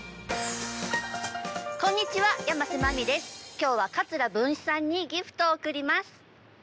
今日は桂文枝さんにギフトを贈ります。